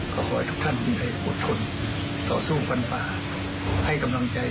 ขอให้ทุกท่านที่ได้อดทนต่อสู้ฟันฝ่าให้กำลังใจ